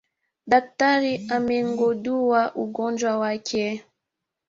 Daktari amegundua ugonjwa wake